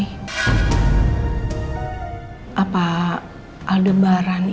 eh apa aldebaran itu